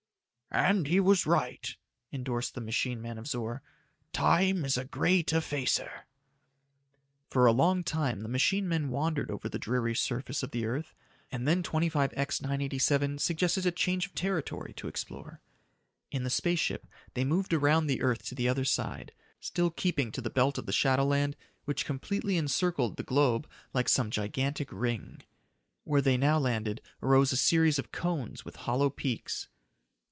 "And he was right," endorsed the machine man of Zor. "Time is a great effacer." For a long time the machine men wandered over the dreary surface of the earth, and then 25X 987 suggested a change of territory to explore. In the space ship, they moved around the earth to the other side, still keeping to the belt of shadowland which completely encircled the globe like some gigantic ring. Where they now landed arose a series of cones with hollow peaks.